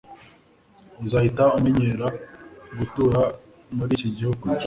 Uzahita umenyera gutura muri iki gihugu.